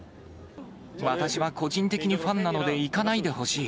私は個人的にファンなので行かないでほしい。